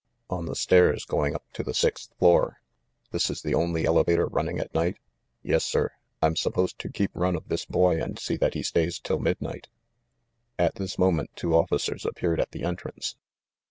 "On the stairs, going up to the sixth floor." "This is the only elevator running at night?" "Yes, sir. I'm supposed to keep run of this boy and see that he stays till midnight." At this moment two officers appeared at the entrance.